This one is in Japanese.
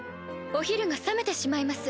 お昼が冷めてしまいます。